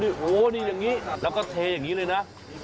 โอ้โหนี่อย่างนี้แล้วก็เทอย่างนี้เลยนะ